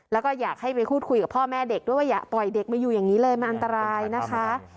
แล้วก็อยากให้ไปพูดคุยกับพ่อแม่เด็กด้วยว่าอย่าปล่อยเด็กมาอยู่อย่างนี้เลยมันอันตรายนะคะ